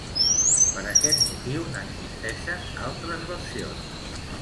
Per aquest motiu n'existeixen altres versions.